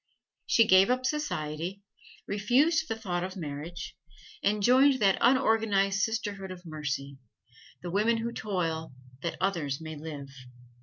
She gave up society, refused the thought of marriage, and joined that unorganized sisterhood of mercy the women who toil that others may live.